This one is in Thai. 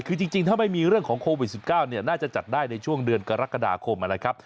คือจริงถ้าไม่มีเรื่องของโควิด๑๙น่าจะจัดได้ในช่วงเดือนกรกฎาคมนะครับ